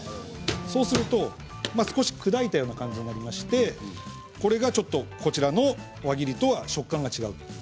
そうすると少し砕いたような感じになりまして、これが輪切りとは食感が違う。